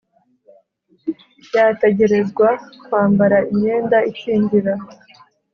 yategerezwa kwambara imyenda ikingira